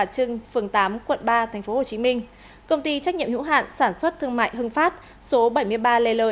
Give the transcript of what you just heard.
công ty trách nhiệm hữu hạn sản xuất thương mại hưng pháp số bảy mươi ba lê lợi